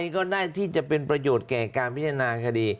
ก็ได้ที่จะเป็นประโยชน์แก่การพิจารณาคดี